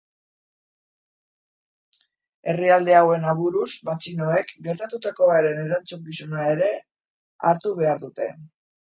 Herrialde hauen aburuz, matxinoek gertatutakoaren erantzukizuna ere hartu behar dute.